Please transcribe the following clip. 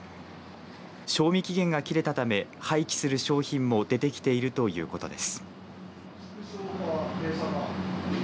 賞味期限が切れたため廃棄する商品も出てきているということです。